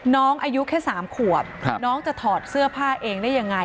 น้องอายุแค่๓ขวบน้องจะถอดเสื้อผ้าเองได้ยังไง